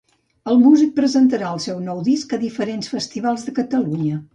El músic presentarà el seu nou disc a diferents festivals de Catalunya.